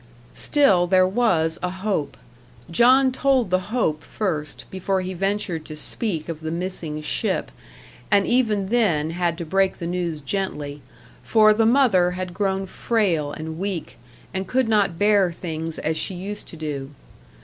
Still, there was a hope. John told the hope first, before he ventured to speak of the missing ship, and even then had to break the news gently, for the mother had grown frail and weak, and could not bear things as she used to do.